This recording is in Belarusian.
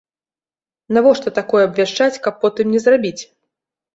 Навошта такое абвяшчаць, каб потым не зрабіць?